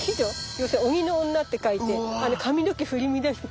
要するに鬼の女って書いて髪の毛振り乱して。